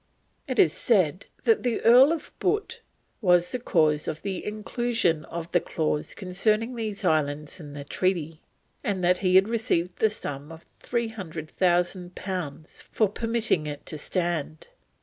It is said that the Earl of Bute was the cause of the inclusion of the clause concerning these islands in the Treaty, and that he received the sum of 300,000 pounds for permitting it to stand.